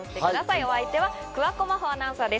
お相手は、桑子真帆アナウンサーです。